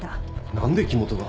何で木元が？